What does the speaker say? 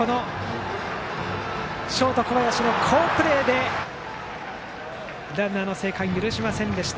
ショート小林の好プレーでランナーの生還許しませんでした。